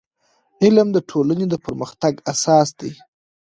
• علم د ټولنې د پرمختګ اساس دی.